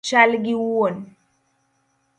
Chal gi wuon